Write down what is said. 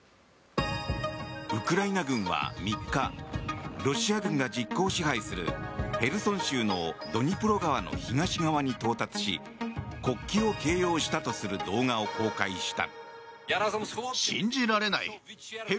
ウクライナ軍は３日ロシア軍が実効支配するヘルソン州のドニプロ川の東側に到達し国旗を掲揚したとする動画を公開した。